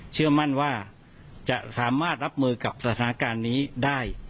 เชื่อมั่นว่าจะสามารถรับมือกับสถานการณ์นี้ได้